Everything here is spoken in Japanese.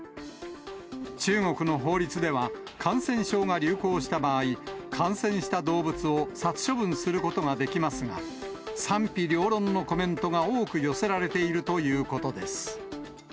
中国の法律では、感染症が流行した場合、感染した動物を殺処分することができますが、賛否両論のコメントが多く寄せられているということです。